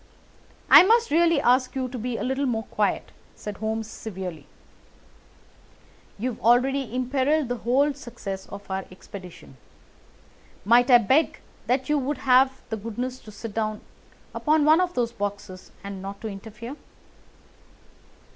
"I must really ask you to be a little more quiet!" said Holmes severely. "You have already imperilled the whole success of our expedition. Might I beg that you would have the goodness to sit down upon one of those boxes, and not to interfere?"